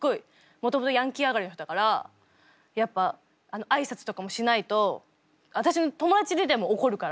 もともとヤンキー上がりの人だからやっぱ挨拶とかもしないと私の友達でも怒るから。